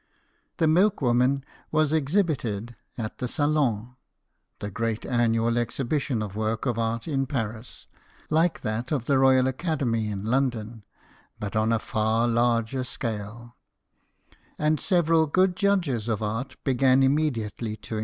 The " Milkwoman " was exhibited at the Sale n (the great annual exhibition of works of art in Paris, like that of the Royal Academy in London, but on a far larger scale) ; and several good judges of art began immediately to 126 BIOGRAPHIES OF WORKING MEN.